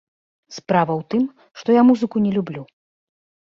Справа ў тым, што я музыку не люблю.